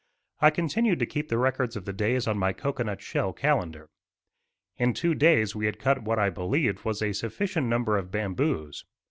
I continued to keep the records of the days on my cocoanut shell calendar. In two days we had cut what I believed was a sufficient number of bamboos.